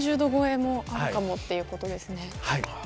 ４０度超えもあるかもということですね。